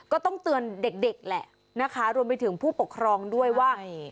ก็ต้องเตือนเด็กแหละนะคะรวมไปถึงผู้ปกครองด้วยว่า